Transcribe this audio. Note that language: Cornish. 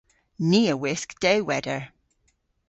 Ni a wisk dewweder.